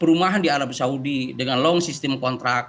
perumahan di arab saudi dengan long system kontrak